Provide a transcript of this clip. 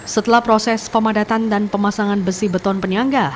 setelah proses pemadatan dan pemasangan besi beton penyangga